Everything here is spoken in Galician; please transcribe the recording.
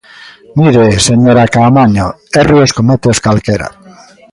Mire, señora Caamaño, erros cométeos calquera.